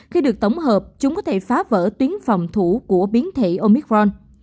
khi được tổng hợp chúng có thể phá vỡ tuyến phòng thủ của biến thể omicron